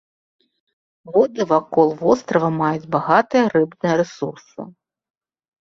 Воды вакол вострава маюць багатыя рыбныя рэсурсы.